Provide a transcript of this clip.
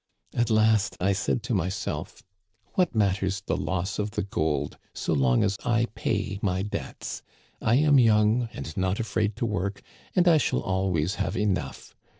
At last I said to myself, * what matters the loss of the gold, so long as I pay my debts? I am young, and not afraid to work, and I shall always have enough.